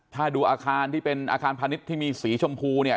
ถ้าดูอาคารที่เป็นอาคารพาณิชย์ที่มีสีชมพูเนี่ย